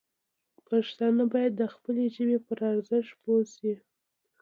پښتانه باید د خپلې ژبې پر ارزښت پوه شي.